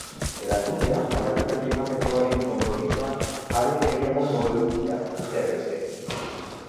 Erakundea aldaketa klimatikoaren konpromisoan are gehiago murgiltzea, besteak beste.